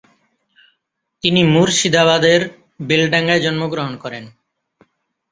তিনি মুর্শিদাবাদের বেলডাঙায় জন্মগ্রহণ করেন।